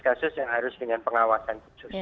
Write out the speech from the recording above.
kasus yang harus dengan pengawasan khusus